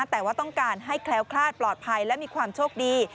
แต่ว่าต้องการให้แคล้วคลาดปลอดภัยและมีความโชคดี